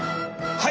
はい。